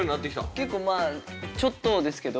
結構まあちょっとですけど。